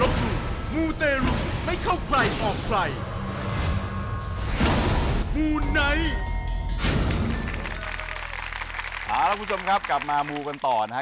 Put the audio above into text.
คุณผู้ชมครับกลับมามูกันต่อนะฮะ